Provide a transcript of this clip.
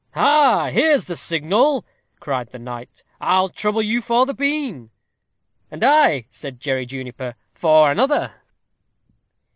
"Ha! there's the signal," cried the knight; "I'll trouble you for the bean." "And I," added Jerry Juniper, "for another."